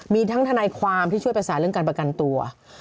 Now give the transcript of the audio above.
มีทั้งทนายความที่ช่วยประสานเรื่องการประกันตัว